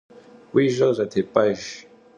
Vui jer zetêp'ejj!